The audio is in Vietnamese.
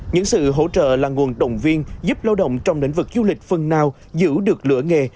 những sự hỗ trợ là nguồn động viên giúp lao động trong lĩnh vực du lịch phần nào giữ được lửa nghề